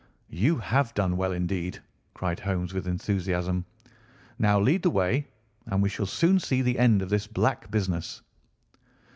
"You have done well indeed!" cried Holmes with enthusiasm. "Now lead the way, and we shall soon see the end of this black business."